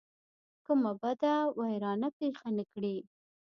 کومه بده ویرانه پېښه نه کړي.